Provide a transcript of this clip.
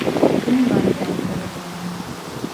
ისინი მალე დამეგობრდნენ.